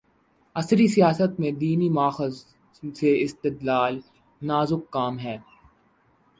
عصری سیاست میں دینی ماخذ سے استدلال‘ نازک کام ہے۔